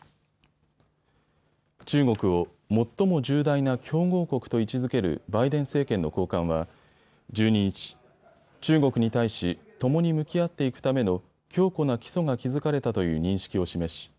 中国を最も重大な競合国と位置づけるバイデン政権の高官は１２日、中国に対し共に向き合っていくための強固な基礎が築かれたという認識を示し